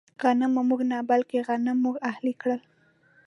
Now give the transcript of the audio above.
غنمو موږ نه، بلکې غنم موږ اهلي کړل.